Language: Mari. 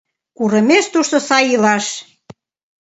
Курымеш тушто сай илаш...